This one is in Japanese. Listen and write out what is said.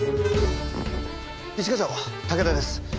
「」一課長武田です。